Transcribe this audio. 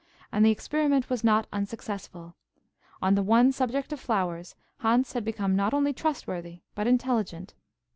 And the experiment was not unsuccessful. On the one subject of flowers Hans became not only trustworthy but intelligent.